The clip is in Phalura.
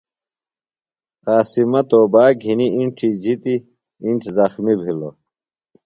قاسمہ توباک گِھنیۡ اِنڇی جِتیۡ، اِنڇ زخمیۡ بھِلوۡ۔